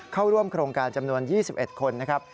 เข้าร่วมโครงการจำนวน๒๑คนนะครับ